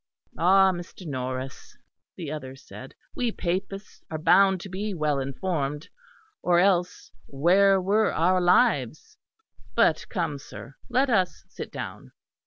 "Ah, Mr. Norris," the other said, "we Papists are bound to be well informed; or else where were our lives? But come, sir, let us sit down."